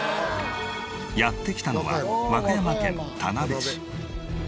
やって来たのは和歌山県田辺市。